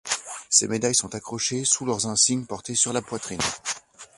Ces médailles sont accrochées sous leurs insignes portées sur la poitrine.